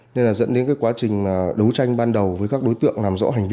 nên là dẫn đến quá trình đấu tranh ban đầu với các đối tượng làm rõ hành vi